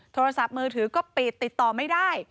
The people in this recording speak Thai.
โทรศัพท์มือถือก็ปิดติดต่อไม่ได้